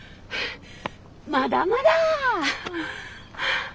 まだまだ。